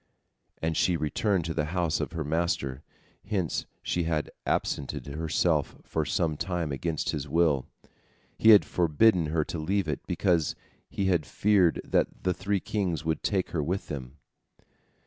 And she returned to the house of her master, whence she had absented herself for some time against his will. He had forbidden her to leave it, because he had feared that the three kings would take her with them.